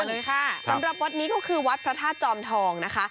เลยค่ะสำหรับวัดนี้ก็คือวัดพระธาตุจอมทองนะคะ